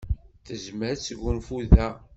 Tezmer ad tesgunfu da.